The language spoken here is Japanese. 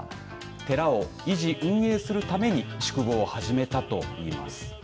寺を維持、運営するために宿坊を始めたといいます。